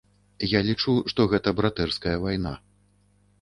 Я лічу, што гэта братэрская вайна.